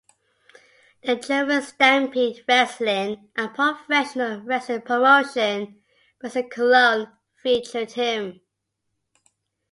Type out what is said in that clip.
The German Stampede Wrestling, a professional wrestling promotion based in Cologne, featured him.